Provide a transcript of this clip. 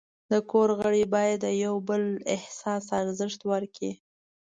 د کور غړي باید د یو بل احساس ته ارزښت ورکړي.